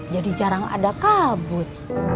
jadi jarang ada kabut